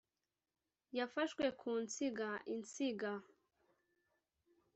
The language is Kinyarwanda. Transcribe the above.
yafashwe ku nsinga. .. insinga. .